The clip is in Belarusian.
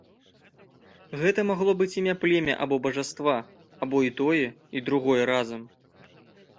Гэта магло быць імя племя або бажаства, або і тое, і другое разам.